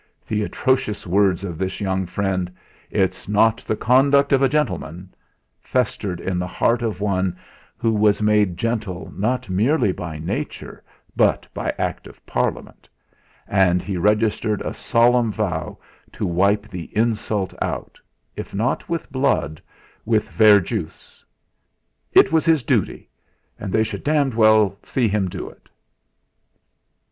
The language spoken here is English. The atrocious words of his young friend, "It's not the conduct of a gentleman," festered in the heart of one who was made gentle not merely by nature but by Act of Parliament, and he registered a solemn vow to wipe the insult out, if not with blood, with verjuice. It was his duty, and they should d d well see him do it!